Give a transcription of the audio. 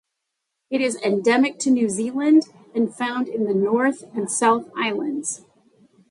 It is endemic to New Zealand and found in the North and South Islands.